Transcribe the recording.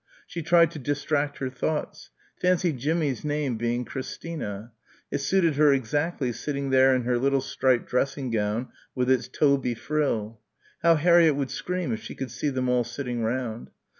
She tried to distract her thoughts.... Fancy Jimmie's name being Christina.... It suited her exactly sitting there in her little striped dressing gown with its "toby" frill. How Harriett would scream if she could see them all sitting round.